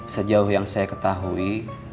sejauh yang saya ketahui